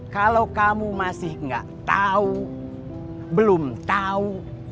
kalau kamu masih nggak tahu belum tahu